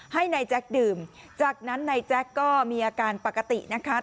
ให้ในแจ๊คการดื่มจากนั้นก็มีอาการปกตินะคะ